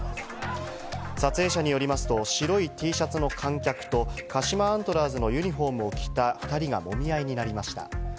撮影者によりますと、白いＴシャツの観客と鹿島アントラーズのユニホームを着た２人がもみ合いになりました。